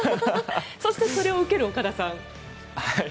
そしてそれを受ける岡田さん。